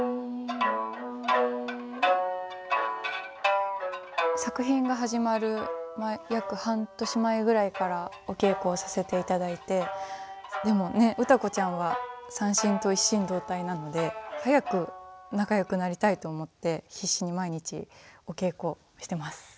「実れる」作品が始まる約半年前ぐらいからお稽古させていただいてでもね歌子ちゃんは三線と一心同体なので早く仲よくなりたいと思って必死に毎日お稽古してます。